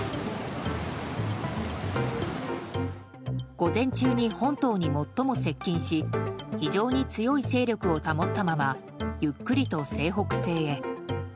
午前中に本島に最も接近し非常に強い勢力を保ったままゆっくりと西北西へ。